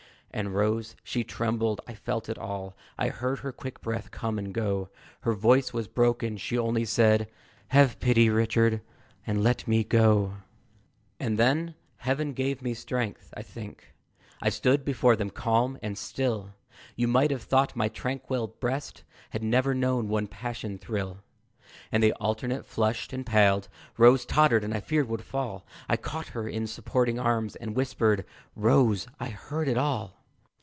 And Rose she trembled I felt it all; I heard her quick breath come and go; Her voice was broken; she only said, "Have pity, Richard, and let me go!" And then Heaven gave me strength, I think I stood before them calm and still; You might have thought my tranquil breast Had never known one passion thrill. And they alternate flushed and paled; Rose tottered, and I feared would fall; I caught her in supporting arms, And whispered, "Rose, I heard it all.